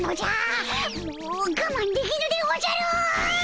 もうがまんできぬでおじゃる！